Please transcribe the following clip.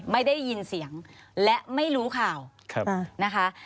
คือถึงเสียงและไม่รู้ข่าวนะคะ